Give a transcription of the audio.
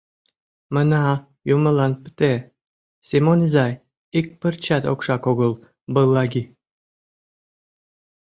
Мына, юмылан пыте, Семон изай, ик пырчат окшак огыл, быллаги!